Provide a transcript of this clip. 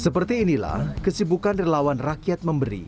seperti inilah kesibukan relawan rakyat memberi